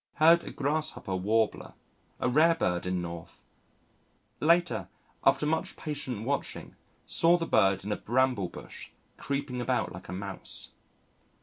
Heard a Grasshopper Warbler a rare bird in North . Later, after much patient watching, saw the bird in a bramble bush, creeping about like a mouse.